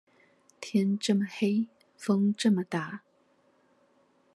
天這麼黑，風這麼大